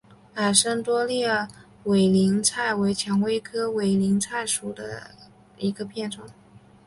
矮生多裂委陵菜为蔷薇科委陵菜属下的一个变种。